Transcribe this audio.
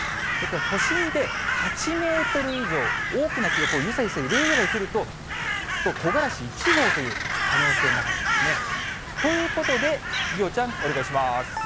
都心で８メートル以上、大きな木がゆさゆさ揺れるぐらい吹くと、木枯らし１号という可能性もあるんですね。ということで梨央ちゃん、お願いします。